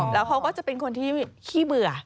แล้วเขาก็จะเป็นคนที่ขี้เบื่อ